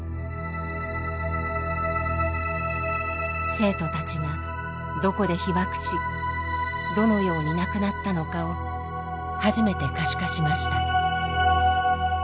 生徒たちがどこで被爆しどのように亡くなったのかを初めて可視化しました。